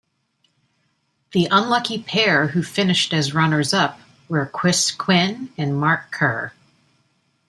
The unlucky Pair who finished as runners-up were Chris Quinn and Mark Kerr.